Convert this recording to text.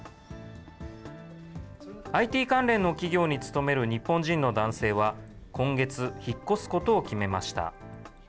ＩＴ関連の企業に勤める日本人の男性は、今月、引っ越すことを決めました。